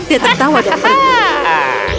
dia menangis dengan ketawa dan gembira